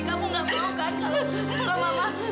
kamu nggak perlu kan